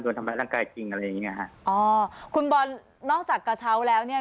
โดนทำร้ายร่างกายจริงอะไรอย่างเงี้ยฮะอ๋อคุณบอลนอกจากกระเช้าแล้วเนี้ย